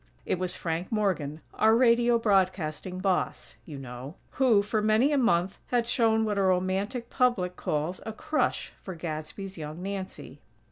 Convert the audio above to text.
It was Frank Morgan, our radio broadcasting "boss", you know, who, for many a month, had shown what a romantic public calls "a crush" for Gadsby's young Nancy.